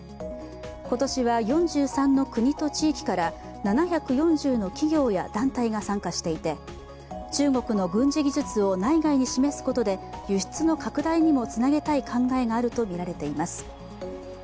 今年は４３の国と地域から７４０の企業や団体が参加していて中国の軍事技術を内外に示すことで輸出の拡大にもつなげたい考えがあるとみられています。